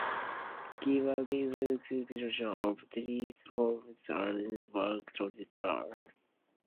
Give a description of these forms of bank statements.